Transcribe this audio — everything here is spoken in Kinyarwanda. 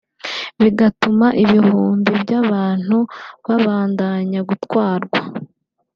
bigatuma ibihumbi vy'abantu babandanya gutwarwa